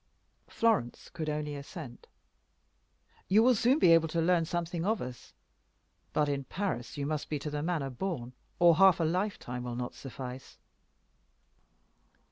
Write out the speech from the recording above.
Florence could only assent. "You will soon be able to learn something of us; but in Paris you must be to the manner born, or half a lifetime will not suffice."